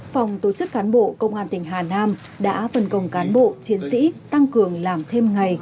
phòng tổ chức cán bộ công an tỉnh hà nam đã phần công cán bộ chiến sĩ tăng cường làm thêm ngày